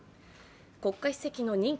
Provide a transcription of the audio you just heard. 国家主席の任期